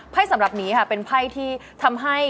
สำหรับนี้ค่ะเป็นไพ่ที่ทำให้